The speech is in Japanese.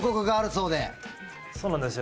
そうなんですよ。